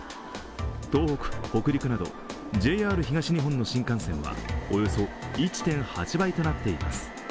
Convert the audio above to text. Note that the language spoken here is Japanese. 東北、北陸などＪＲ東日本の新幹線はおよそ１．８倍となっています。